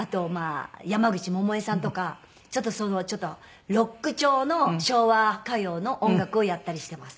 山口百恵さんとかちょっとロック調の昭和歌謡の音楽をやったりしてます。